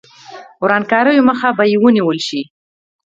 ورانکاریو مخه به یې ونیول شي.